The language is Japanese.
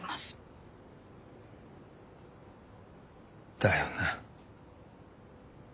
だよな。